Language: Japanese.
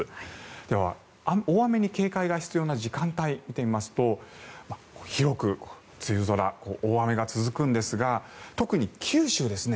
では大雨に警戒が必要な時間帯を見てみますと広く梅雨空、大雨が続くんですが特に九州ですね。